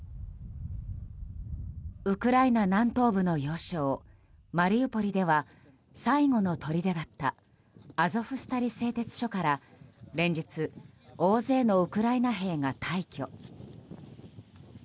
ウクライナ南東部の要衝マリウポリでは最後のとりでだったアゾフスタリ製鉄所から連日大勢のウクライナ兵が退去。